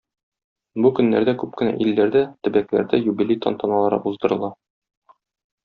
Бу көннәрдә күп кенә илләрдә, төбәкләрдә юбилей тантаналары уздырыла.